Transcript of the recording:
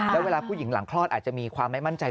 แล้วเวลาผู้หญิงหลังคลอดอาจจะมีความไม่มั่นใจ